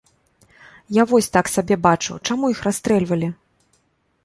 Я вось так сабе бачу, чаму іх расстрэльвалі?